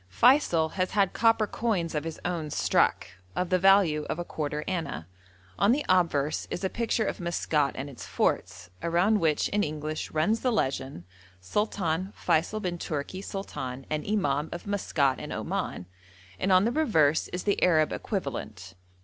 Feysul has had copper coins of his own struck, of the value of a quarter anna. On the obverse is a picture of Maskat and its forts, around which in English runs the legend, 'Sultan Feysul bin Tourki Sultan and Imam of Maskat and Oman,' and on the reverse is the Arab equivalent.